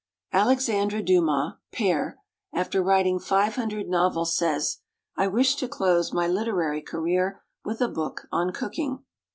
ALEXANDRE DUMAS, père, after writing five hundred novels, says, "I wish to close my literary career with a book on cooking."